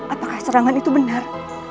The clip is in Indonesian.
apakah serangan itu benar